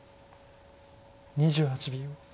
２８秒。